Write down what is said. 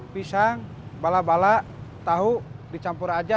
pisang bala bala tahu dicampur aja dua puluh